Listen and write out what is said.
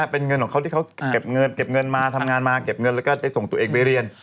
เป็นเงินของเขาที่เขาเก็บเงินมาทำงานมาเก็บเงินแล้วก็ได้ส่งตัวเองไปเรียน